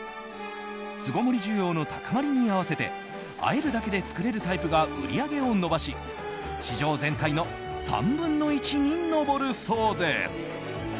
巣ごもり需要の高まりに合わせてあえるだけで作れるタイプが売り上げを伸ばし市場全体の３分の１に上るそうです。